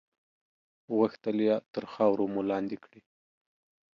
غوښتل یې تر خاورو مو لاندې کړي.